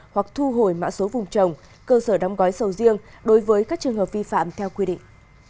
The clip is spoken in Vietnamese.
hoặc thu hồi mã số vùng trồng cơ sở đóng gói sầu riêng đối với các trường hợp vi phạm theo quy định